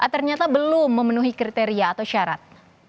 ternyata belum memenuhi kriteria atau syarat